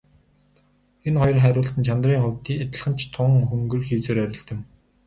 Энэ хоёр хариулт нь чанарын хувьд адилхан ч тун хөнгөн хийсвэр хариулт юм.